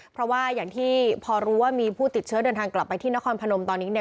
เพราะว่าอย่างที่พอรู้ว่ามีผู้ติดเชื้อเดินทางกลับไปที่นครพนมตอนนี้เนี่ย